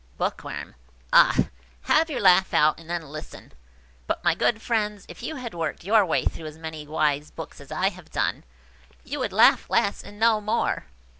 Bookworm. "Ah! have your laugh out, and then listen. But, my good friends, if you had worked your way through as many wise books as I have done, you would laugh less and know more."